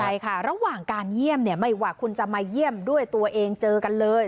ใช่ค่ะระหว่างการเยี่ยมเนี่ยไม่ว่าคุณจะมาเยี่ยมด้วยตัวเองเจอกันเลย